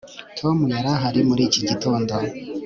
Tom yari ahari muri iki gitondo